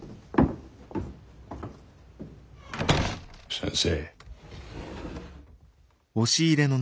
先生。